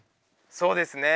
そうですね。